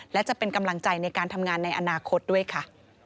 และจะเป็นกำลังใจในการทำงานในอนาคตด้วยค่ะ